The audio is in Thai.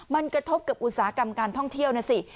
มันกระทบกับอุตสาหกรรมการท่องเที่ยวนะสิ